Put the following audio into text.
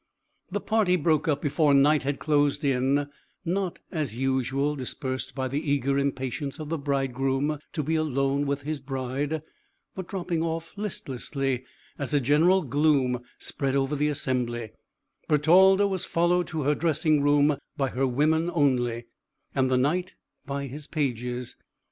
The party broke up before night had closed in; not, as usual, dispersed by the eager impatience of the bridegroom to be alone with his bride; but dropping off listlessly, as a general gloom spread over the assembly; Bertalda was followed to her dressing room by her women only, and the Knight by his pages.